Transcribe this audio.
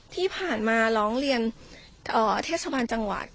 ที่ผ่านมาร้องเรียนเทศบาลจังหวัด